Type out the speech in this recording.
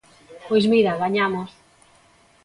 Pois mira, gañamos.